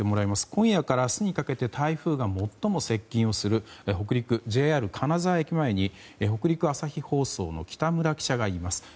今夜から明日にかけて台風が最も接近する北陸、ＪＲ金沢駅前に北陸朝日放送の北村記者がいます。